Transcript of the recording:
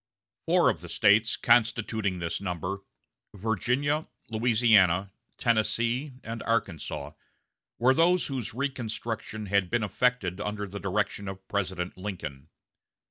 Four of the States constituting this number Virginia, Louisiana, Tennessee, and Arkansas were those whose reconstruction had been effected under the direction of President Lincoln.